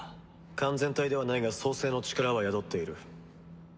完全体ではないが創世の力は宿っている。